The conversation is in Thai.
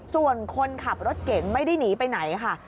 ส่วนคนขับรถเก่งไม่ได้หนีไปไหนค่ะ